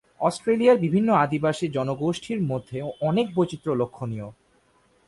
অস্ট্রেলিয়ার বিভিন্ন আদিবাসী জনগোষ্ঠীর মধ্যে অনেক বৈচিত্র্য লক্ষনীয়।